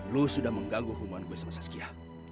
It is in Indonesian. lo sudah mengganggu hubungan gue sama saskia